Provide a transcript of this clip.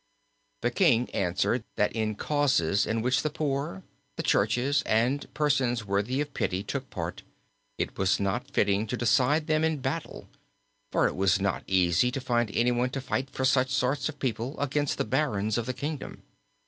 The king answered that in causes in which the poor, the churches, and persons worthy of pity, took part, it was not fitting to decide them in battle; for it was not easy to find anyone to fight for such sorts of people against the barons of the kingdom.